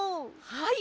はい！